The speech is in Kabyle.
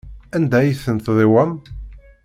Anda ay ten-tdiwam?